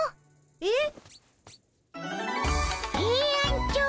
えっ？